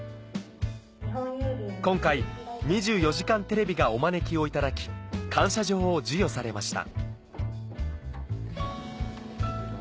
今回『２４時間テレビ』がお招きをいただき感謝状を授与されました